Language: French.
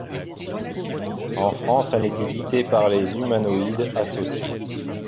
En France elle est éditée par Les Humanoïdes Associés.